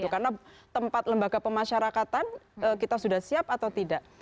karena tempat lembaga pemasyarakatan kita sudah siap atau tidak